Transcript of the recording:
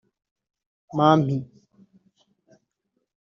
Mampi